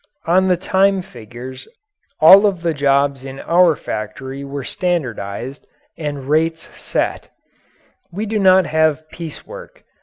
On the time figures all of the jobs in our factory were standardized and rates set. We do not have piece work.